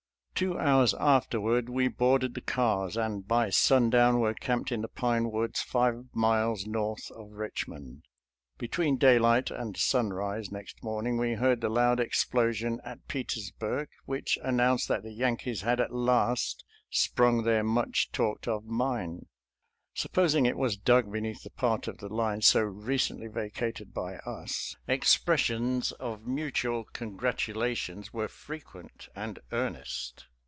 Two hours afterward we boarded the cars, and by sundown were camped in the pine woods five miles north of Kichmond. Between daylight and sunrise next morning we heard the loud explosion at Petersburg which announced that the Yankees had at last sprung their much talked of mine. Supposing it was dug beneath the part of the line so recently vacated by us, expressions of mutual congratulations were frequent and ear nest.